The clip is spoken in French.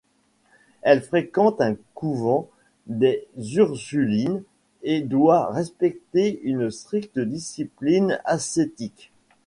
Elle fréquente un couvent des ursulines et doit respecter une stricte discipline ascétique.